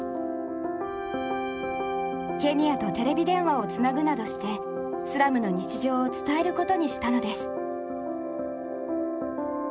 ケニアとテレビ電話をつなぐなどしてスラムの日常を伝えることにしたのです。